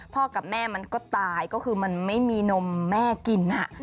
กับแม่มันก็ตายก็คือมันไม่มีนมแม่กิน